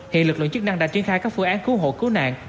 hiện lực lượng chức năng đã triển khai các phương án cứu hộ cứu nạn